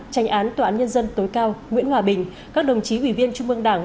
tranh án tòa án nhân dân tối cao nguyễn hòa bình các đồng chí ủy viên trung mương đảng